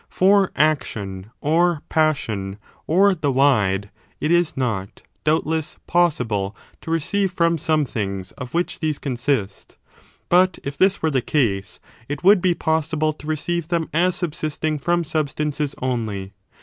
For action, or passion, or the wide, it is not, doubtless, possible to receive from some things of which these consist ; but, if this were the case, it would be possible to receive them as subsisting from substances only.